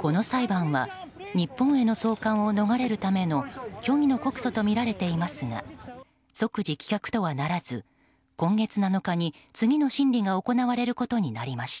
この裁判は日本への送還を逃れるための虚偽の告訴とみられていますが即時棄却とはならず今月７日に次の審理が行われることになりました。